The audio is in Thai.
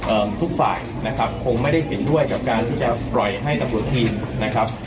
ทุกฝ่ายนะครับคงไม่ได้เห็นด้วยกับการที่จะปล่อยให้ตำรวจทีมนะครับ